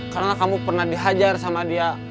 karena kamu pernah dihajar sama dia